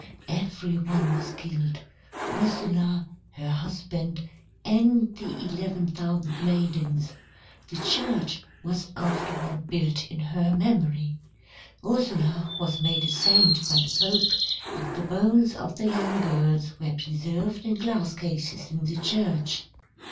Every one was killed, Ursula, her husband, and the eleven thousand maidens. The church was afterward built in her memory. Ursula was made a saint by the Pope, and the bones of the young girls were preserved in glass cases in the church."